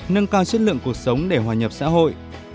nâng cao chất lượng cuộc sống để hòa nhập xã hội